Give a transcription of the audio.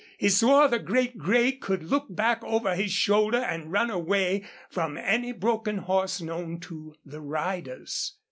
He swore the great gray could look back over his shoulder and run away from any broken horse known to the riders.